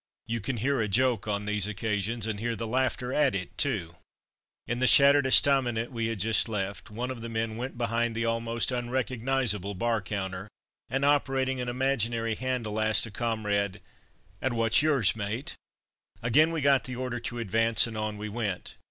You can hear a joke on these occasions, and hear the laughter at it too. In the shattered estaminet we had just left, one of the men went behind the almost unrecognizable bar counter, and operating an imaginary handle, asked a comrade, "And what's yours, mate?" Again we got the order to advance, and on we went.